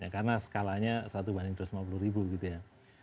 karena skalanya satu banding dua ratus lima puluh ribu gitu ya